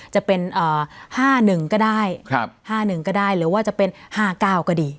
จะเป็นเอ่อห้าหนึ่งก็ได้ครับห้าหนึ่งก็ได้หรือว่าจะเป็นห้าเก้าก็ดี